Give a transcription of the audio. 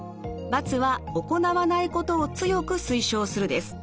×は行わないことを強く推奨するです。